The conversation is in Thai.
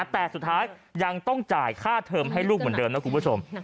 แต่สุดท้ายยังต้องจ่ายค่าเทอมให้ลูกเหมือนเดิมนะคุณผู้ชม